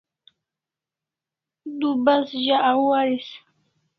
Du bas za au aris